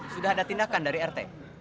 sudah ada tindakan dari rt